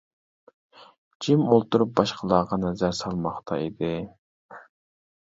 جىم ئولتۇرۇپ باشقىلارغا نەزەر سالماقتا ئىدى.